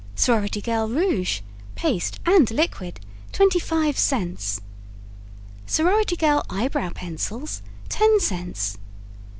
Sorority Girl Rouge (Paste and Liquid) 25 cts. Sorority Girl Eye Brow Pencils 10 cts.